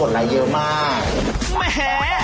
พี่จารย์เชื่อปะว่าโอ้โฮคนคนไหนเยอะมาก